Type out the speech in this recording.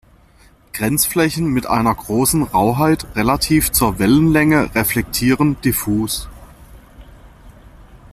Grenzflächen mit einer großen Rauheit relativ zur Wellenlänge reflektieren diffus.